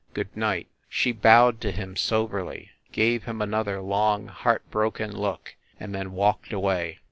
Good night." She bowed to him soberly, gave him another long, heartbroken look, and then walked away.